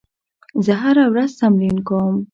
زه هره ورځ تمرین کوم.